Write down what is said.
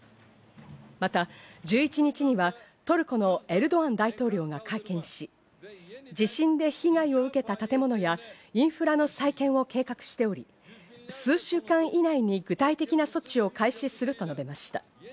また１１日にはトルコのエルドアン大統領が会見し、地震で被害を受けた建物やインフラの再建を計画しており、数週間以内に具体的な措置を開始すると述べました。